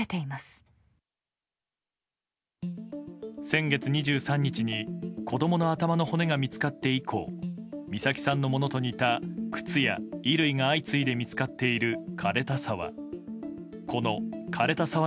先月２３日に子供の頭の骨が見つかって以降美咲さんのものと似た靴や衣類が相次いで見つかっている枯れた沢。